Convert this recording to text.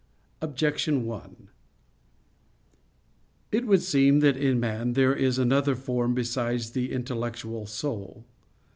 Objection 1: It would seem that in man there is another form besides the intellectual soul.